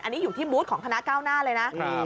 อันนี้อยู่ที่บูธของคณะก้าวหน้าเลยนะ